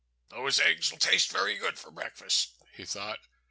"Those eggs will taste very good for breakfast," he thought.